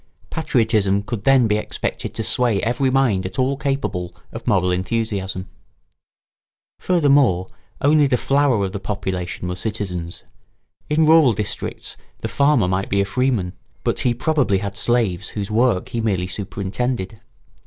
Patriotism could then be expected to sway every mind at all capable of moral enthusiasm. Furthermore, only the flower of the population were citizens. In rural districts the farmer might be a freeman; but he probably had slaves whose work he merely superintended.